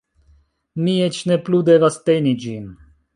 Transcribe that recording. Mi eĉ ne plu devas teni ĝin